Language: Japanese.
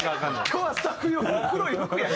今日はスタッフ用の黒い服やし。